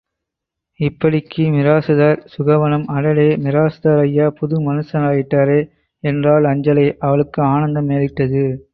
இப்படிக்கு மிராசுதார் சுகவனம் அடடே மிராசுதார் ஐயா புது மனுஷராயிட்டாரே? என்றாள் அஞ்சலை அவளுக்கு ஆனந்தம் மேலிட்டது.